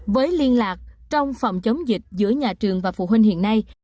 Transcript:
với liên lạc trong phòng chống dịch giữa nhà trường và phụ huynh hiện nay